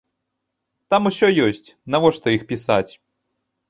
Там усё ёсць, навошта іх пісаць?!